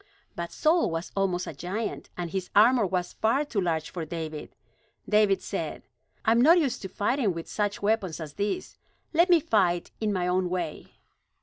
But Saul was almost a giant, and his armor was far too large for David. David said: "I am not used to fighting with such weapons as these. Let me fight in my own way."